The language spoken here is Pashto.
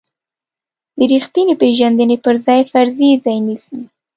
د ریښتینې پېژندنې په ځای فرضیې ځای نیسي.